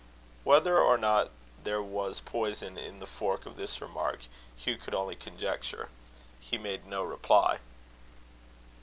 Whether or not there was poison in the fork of this remark, Hugh could only conjecture. He made no reply.